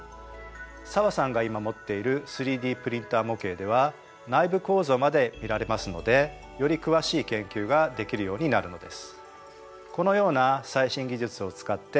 紗和さんが今持っている３Ｄプリンター模型では内部構造まで見られますのでより詳しい研究ができるようになるのです。